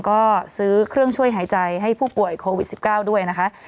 ก็ซื้อเครื่องช่วยหายใจให้ผู้ป่วยโควิด๑๙ด้วยนะคะ